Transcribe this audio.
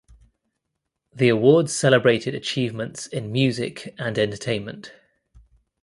The awards celebrated achievements in music and entertainment.